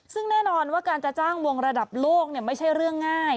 ซึ่งแน่นอนว่าการจะจ้างวงระดับโลกไม่ใช่เรื่องง่าย